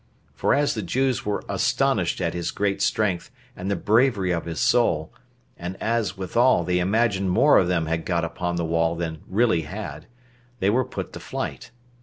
For as the Jews were astonished at his great strength, and the bravery of his soul, and as, withal, they imagined more of them had got upon the wall than really had, they were put to flight.